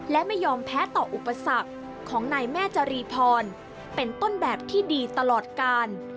และไม่ยอมแพ้ต่ออุปสรรคของนายแม่จรีพรเป็นต้นแบบที่ดีตลอดกาล